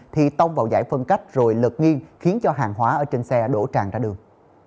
thì tông vào giải phân cách rồi lật nghiêng khiến cho hàng hóa ở trên xe đổ tràn ra đường